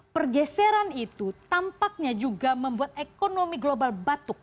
pergeseran itu tampaknya juga membuat ekonomi global batuk